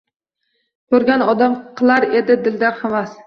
Ko‘rgan odam qilar edi dildan havas